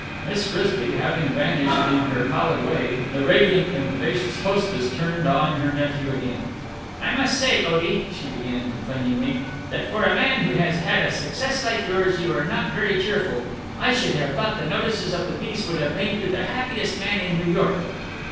Miss Frisby having vanished in her pallid way, the radiant and vivacious hostess turned on her nephew again. "I must say, Otie," she began complainingly, "that, for a man who has had a success like yours, you are not very cheerful. I should have thought the notices of the piece would have made you the happiest man in New York."